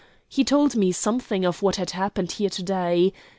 He told me something of what had happened here to day.